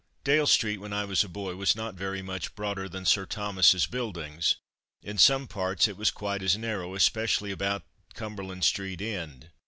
Dale street, when I was a boy, was not very much broader than Sir Thomas's Buildings; in some parts it was quite as narrow, especially about Cumberland street end.